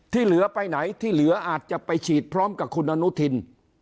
ที่เหลือไปไหนที่เหลืออาจจะไปฉีดพร้อมกับคุณอนุทิน